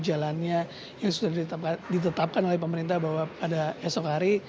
sehingga tidak mengganggu jalannya yang sudah ditetapkan oleh pemerintah bahwa pada esok hari